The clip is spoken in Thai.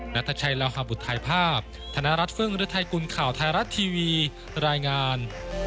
นัทชัยเลวฮาบุทรไทยภาพธนรัฐฟึ่งหรือไทยกุลข่าวไทยรัฐทีวีรายงาน